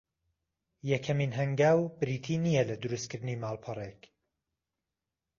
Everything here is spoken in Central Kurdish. یەکەمین هەنگاو بریتی نییە لە درووست کردنی ماڵپەڕێک